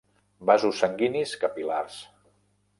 Vasos sanguinis capil·lars.